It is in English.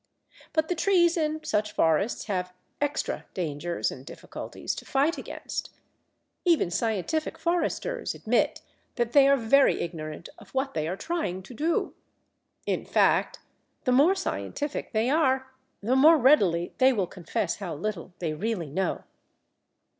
But the trees in such forests have "extra" dangers and difficulties to fight against. Even scientific foresters admit that they are very ignorant of what they are trying to do. In fact, the more scientific they are, the more readily they will confess how little they really know.